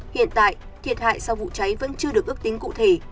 hiện tại thiệt hại sau vụ cháy vẫn chưa được ước tính cụ thể